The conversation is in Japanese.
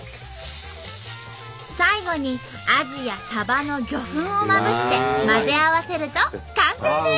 最後にアジやサバの魚粉をまぶして混ぜ合わせると完成です。